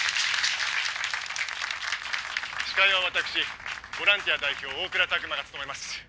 「司会はわたくしボランティア代表大倉琢磨が務めます」